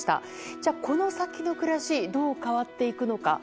じゃあ、この先の暮らしどう変わっていくのか。